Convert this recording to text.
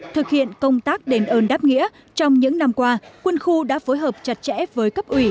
thực hiện công tác đền ơn đáp nghĩa trong những năm qua quân khu đã phối hợp chặt chẽ với cấp ủy